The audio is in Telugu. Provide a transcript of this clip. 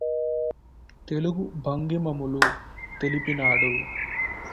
తెలుగు భంగిమములు తెలిపినాడు